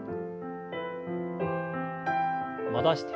戻して。